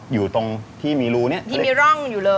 อยู่ตรงที่มีรูเนี่ยที่มีร่องอยู่เลย